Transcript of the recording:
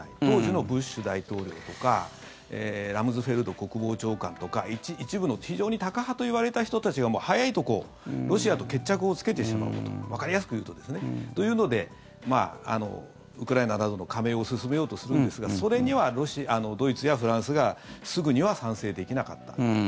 当時のブッシュ大統領とかラムズフェルド国防長官とか一部の非常にタカ派といわれた人たちが早いところロシアと決着をつけてしまおうとわかりやすく言うとですね。というので、ウクライナなどの加盟を進めようとするんですがそれにはドイツやフランスがすぐには賛成できなかった。